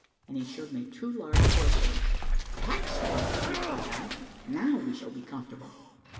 And he showed me two large horse rugs. "Excellent," replied I; "now we shall be comfortable."